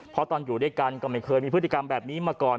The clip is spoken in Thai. เพราะตอนอยู่ด้วยกันก็ไม่เคยมีพฤติกรรมแบบนี้มาก่อน